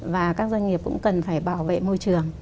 và các doanh nghiệp cũng cần phải bảo vệ môi trường